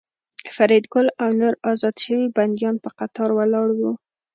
فریدګل او نور ازاد شوي بندیان په قطار ولاړ وو